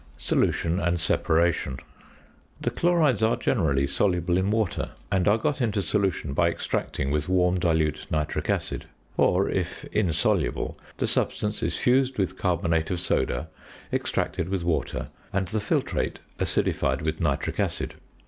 ~Solution and Separation.~ The chlorides are generally soluble in water, and are got into solution by extracting with warm dilute nitric acid. Or, if insoluble, the substance is fused with carbonate of soda, extracted with water, and the filtrate acidified with nitric acid.